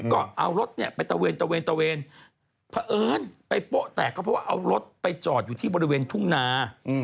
ก็เอารถไปตะเวนพระเอิญไปโป๊ะแตกเพราะว่าเอารถไปจอดอยู่ที่บริเวณทุ่งนา